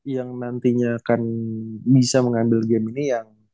yang nantinya akan bisa mengambil game ini yang